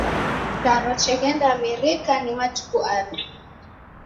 Charo cheghenda Amerika ni matuku aw'i